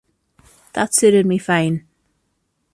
That suited me fine.